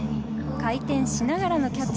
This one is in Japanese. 回転しながらのキャッチ。